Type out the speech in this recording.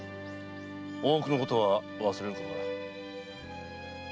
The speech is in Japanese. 大奥のことは忘れることだ。